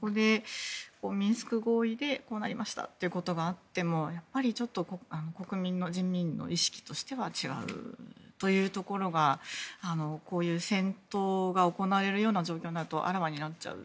ミンスク合意でこうなりましたってことがあっても人民の意識としては違うというところがこういう戦闘が行われるような状況になるとあらわになってしまう。